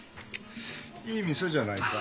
いい店じゃないか。